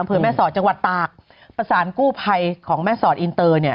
อำเภอแม่สอดจังหวัดตากประสานกู้ภัยของแม่สอดอินเตอร์เนี่ย